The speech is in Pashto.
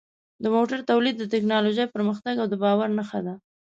د موټرو تولید د ټکنالوژۍ پرمختګ او د باور نښه ده.